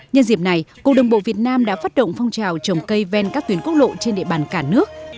nhân dịp này cục đường bộ việt nam đã phát động phong trào trồng cây ven các tuyến quốc lộ trên địa bàn cả nước